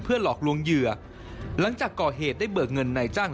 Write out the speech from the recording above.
หลอกลวงเหยื่อหลังจากก่อเหตุได้เบิกเงินนายจ้าง